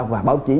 và báo chí